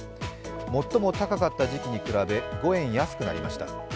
最も高かった時期に比べ５円安くなりました。